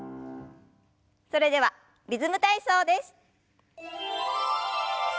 それでは「リズム体操」です。